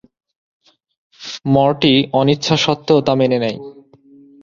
Morty অনিচ্ছা সত্ত্বেও তা মেনে নেয়।